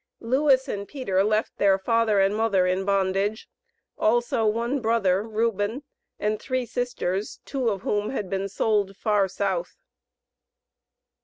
Lewis and Peter left their father and mother in bondage, also one brother (Reuben), and three sisters, two of whom had been sold far South.